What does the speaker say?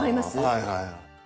はいはいはい。